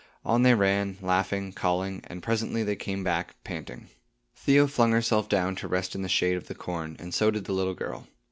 On they ran, laughing, calling, and presently they came back, panting. Theo flung herself down to rest in the shade of the corn, and so did the little girl.